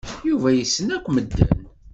Yuba yessen akk medden.